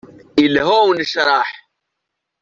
Yelha unecreḥ.